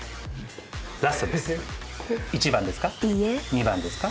２番ですか？